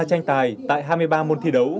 tranh tài tại hai mươi ba môn thi đấu